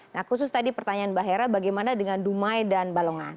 nah khusus tadi pertanyaan mbak hera bagaimana dengan dumai dan balongan